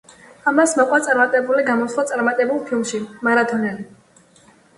ამას მოყვა წარმატებული გამოსვლა წარმატებულ ფილმში „მარათონელი“.